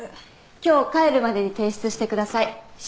今日帰るまでに提出してください。